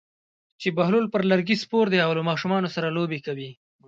چې بهلول پر لرګي سپور دی او له ماشومانو سره لوبې کوي.